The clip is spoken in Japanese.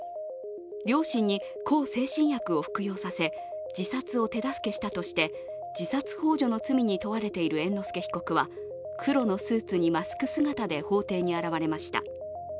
両親に向精神薬を服用させ自殺を手助けしたとして自殺ほう助の罪に問われている猿之助被告は黒のスーツにマスク姿で法廷に現れました。